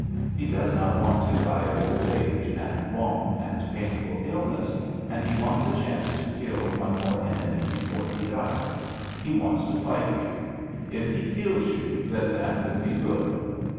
He does not want to die of old age and long and painful illness, and he wants a chance to kill one more enemy before he dies. He wants to fight you. If he kills you, then that will be good.